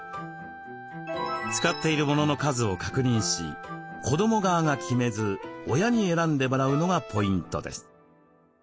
使っている物の数を確認し子ども側が決めず親に選んでもらうのがポイントです。